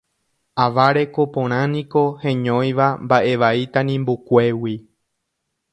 Ava reko porãniko heñóiva mba'evai tanimbukuégui